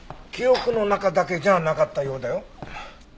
記憶の中だけじゃなかったようだよ。